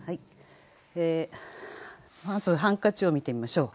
まず「ハンカチ」を見てみましょう。